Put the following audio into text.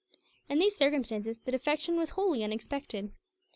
In these circumstances the defection was wholly unexpected.